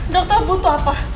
dokter butuh apa